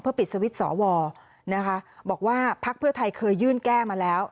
ปิดสวิตช์สวนะคะบอกว่าพักเพื่อไทยเคยยื่นแก้มาแล้ว